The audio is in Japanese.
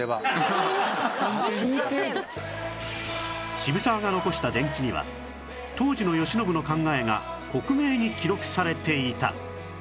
渋沢が残した伝記には当時の慶喜の考えが克明に記録されていた